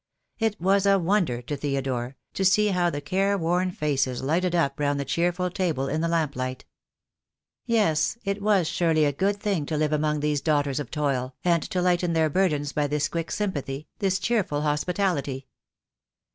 It was a wonder to Theodore, to see how the care worn faces lighted up round the cheerful table in the lamp light. Yes, it was surely a good thing to live among these daughters of toil, and to lighten their burdens by this quick sympathy, this cheerful hospitality.